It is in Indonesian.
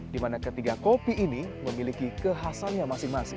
di mana ketiga kopi ini memiliki kehasannya masing masing